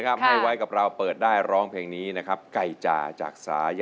มาให้ไฟมันเหมือนใกล้จ้า